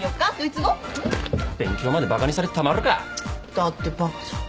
だってバカじゃん。